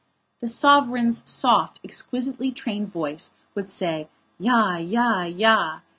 The sovereign's soft, exquisitely trained voice would say, "Ja, ja, ja!"